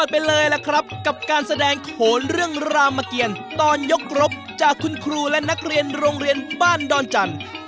ไปเลยล่ะครับกับการแสดงโขนเรื่องรามเกียรตอนยกรบจากคุณครูและนักเรียนโรงเรียนบ้านดอนจันทร์